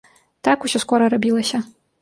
Так усё скора рабілася.